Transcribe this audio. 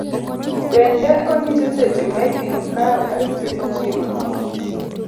Bende onyiso seche maibiro kawo ka itedo chiemo nogo